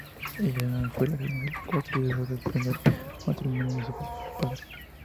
Ella fue la segunda de cuatro hijos del primer matrimonio de su padre.